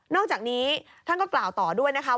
อกจากนี้ท่านก็กล่าวต่อด้วยนะคะ